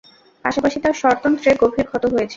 পাশাপাশি তার স্বরতন্ত্রে গভীর ক্ষত হয়েছে।